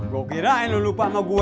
gua kirain lu lupa sama gue